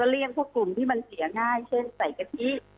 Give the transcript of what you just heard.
แล้วก็เลี่ยงข้อคลุมที่มันเสียง่ายเช่นใส่กะทิ